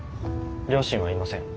両親はいません。